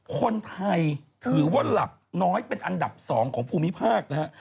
คนไทยถือว่าหลับน้อยเป็นอันดับ๒ของภูมิภาคนะฮะ